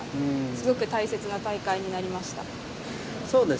すごく大切な大会になりました。